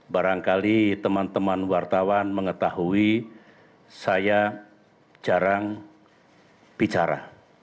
barangkali teman teman wartawan mengetahui saya jarang bicara